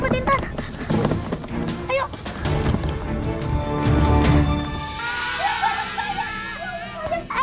tapi kalau aku bener